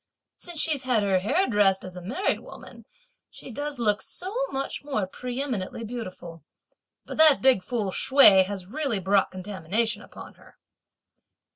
Since she's had her hair dressed as a married woman she does look so much more pre eminently beautiful! But that big fool Hsüeh has really brought contamination upon her."